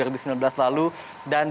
dan ditanami berbagai tempat